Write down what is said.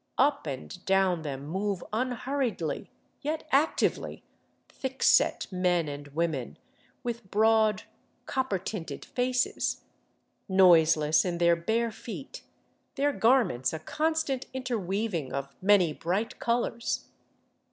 Up and down them move unhurriedly, yet actively, thick set men and women with broad, copper tinted faces, noiseless in their bare feet, tiieir garments a constant interweaving of many bright colors.